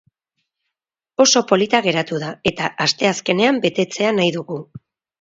Oso polita geratu da eta asteazkenean betetzea nahi dugu.